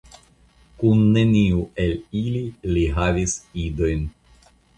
Kun neniu el ili li havis idojn.